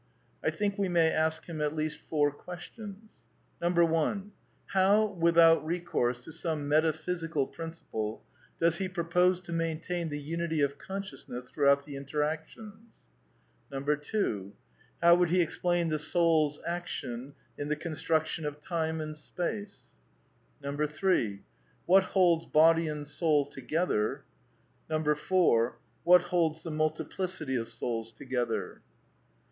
I think we may ask him at least four questions. 1. How, without recourse to some metaphysical prin ciple, does he propose to maintain the unity of consciousness throughout the interactions ? 2. How would he explain the soul's action in the con struction of time and space ? 3. What holds body and soul together ? 4. What holds the multiplicity of souls together